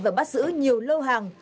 và bắt giữ nhiều lâu hàng